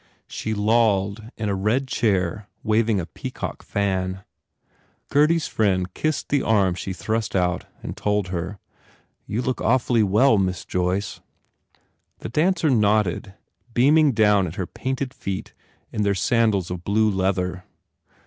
She lolled in a red chair waving a peacock fan. Gurdy s friend kissed the arm she thrust out and told her, "You look awfully well, Miss Joyce." The dancer nodded, beaming down at her painted feet in their sandals of blue leather.